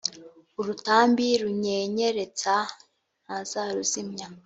urutambi runyenyeretsa ntazaruzimya